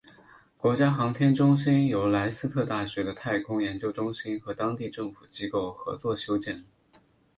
国家航天中心由莱斯特大学的太空研究中心和当地政府机构合作修建。